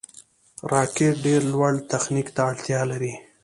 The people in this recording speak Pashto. راکټ ډېر لوړ تخنیک ته اړتیا لري